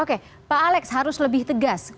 oke pak alex harus lebih tegas